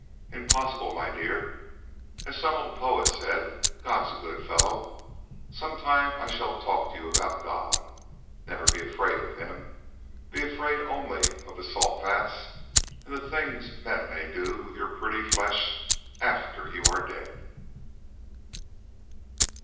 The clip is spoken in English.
"Impossible, my dear. As some old poet said, 'God's a good fellow.' Some time I shall talk to you about God. Never be afraid of him. Be afraid only of the salt vats and the things men may do with your pretty flesh after you are dead."